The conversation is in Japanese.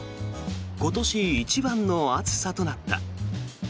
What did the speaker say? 今年一番の暑さとなった。